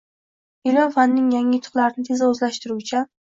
ilm-fanning yangi yutuqlarini tez o‘zlashtiruvchan